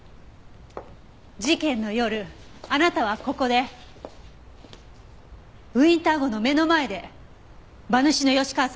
事件の夜あなたはここでウィンター号の目の前で馬主の吉川さんを殺害した。